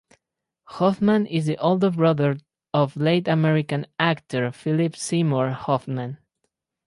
Hoffman is the older brother of late American actor Philip Seymour Hoffman.